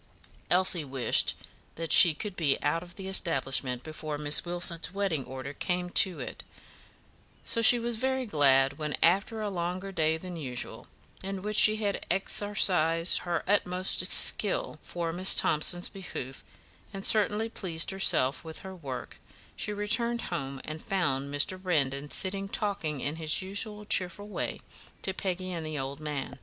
Elsie wished that she could be out of the establishment before Miss Wilson's wedding order came to it; so she was very glad when, after a longer day than usual, in which she had exercised her utmost skill for Miss Thomson's behoof, and certainly pleased herself with her work, she returned home and found Mr. Brandon sitting talking in his usual cheerful way to Peggy and the old man.